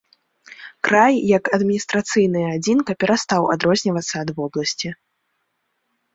Край як адміністрацыйная адзінка перастаў адрознівацца ад вобласці.